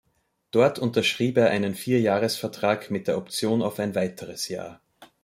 Dort unterschrieb er einen Vierjahresvertrag mit der Option auf ein weiteres Jahr.